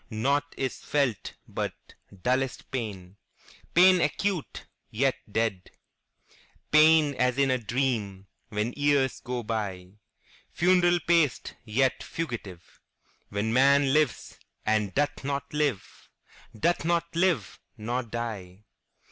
Naught is felt but dullest pain, Pain acute, yet dead; Pain as in a dream, When years go byFuneral paced, yet fugitive, When man lives, and doth not live, Doth not live—nor die.